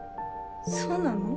そうなの？